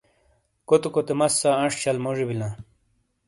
کوتے کوتے مسّا انش شل موجی بِیلاں۔